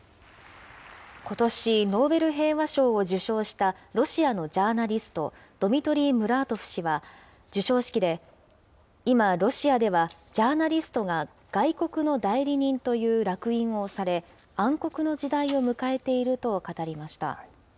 ことし、ノーベル平和賞を受賞したロシアのジャーナリスト、ドミトリー・ムラートフ氏は、授賞式で、今ロシアではジャーナリストが外国の代理人というらく印を押され、暗黒の時代を迎えていると語りました。